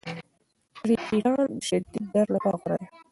ټریپټان د شدید درد لپاره غوره دي.